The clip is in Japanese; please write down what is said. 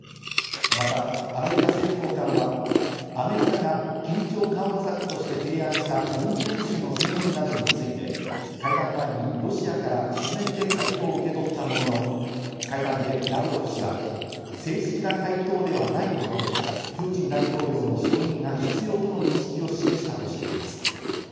またアメリカ政府高官はアメリカが緊張緩和策として提案した軍事演習の制限などについて、会談前にロシアから書面で回答を受け取ったものの、会談でラブロフ氏は正式な回答ではないと述べ、プーチン大統領の承認が必要との認識を示したとしています。